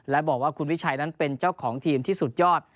และบอกว่าคุณวิชัยนั้นเป็นเจ้าของทีมที่สุดยอด